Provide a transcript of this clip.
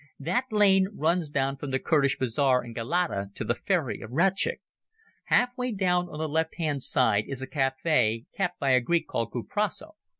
"That lane runs down from the Kurdish Bazaar in Galata to the ferry of Ratchik. Half way down on the left hand side is a cafe kept by a Greek called Kuprasso.